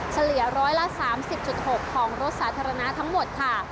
เฉลี่ย๑๓๐๖ของรถสาธารณะทั้งหมดค่ะ